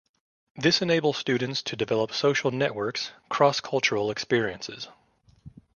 This enables students to develop social networks, cross-cultural experiences.